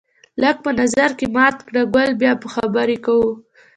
لږ په نظر کې مات کړه ګل بیا به خبرې کوو